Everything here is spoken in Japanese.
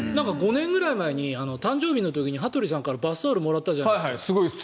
５年ぐらい前に誕生日の時に羽鳥さんからバスタオルをもらったじゃないですか。